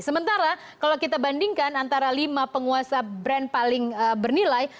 sementara kalau kita bandingkan antara lima penguasa brand paling bernilai